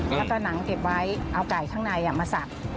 แล้วก็หนังเก็บไว้เอาไก่ข้างในมาสัก